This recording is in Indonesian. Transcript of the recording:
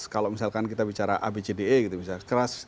kalau misalkan kita bicara abcde